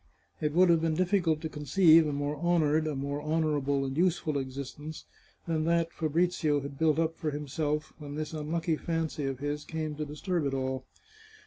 It would have been difficult to conceive a more honoured, a more honourable and useful existence, than that Fabrizio had built up for himself when this unlucky fancy of his came to disturb it all.